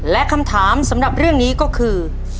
และคำถามสำหรับเรื่องนี้ก็คือ